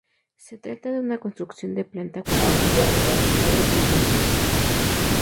Se trata de una construcción de planta cuadrada sobre un promontorio.